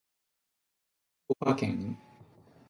福岡県